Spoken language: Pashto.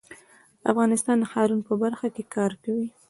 افغانستان د ښارونو په برخه کې کار کوي.